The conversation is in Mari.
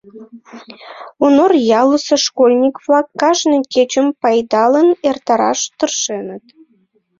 Онор ялысе школьник-влак кажне кечым пайдалын эртараш тыршеныт.